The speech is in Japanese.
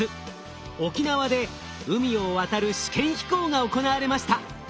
沖縄で海を渡る試験飛行が行われました。